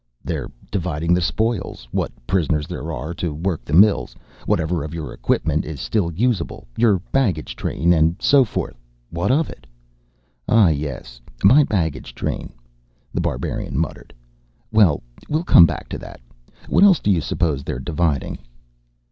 "They're dividing the spoils what prisoners there are, to work the mills; whatever of your equipment is still usable; your baggage train. And so forth. What of it?" "Ah, yes, my baggage train," The Barbarian muttered. "Well, we'll come back to that. What else do you suppose they're dividing?"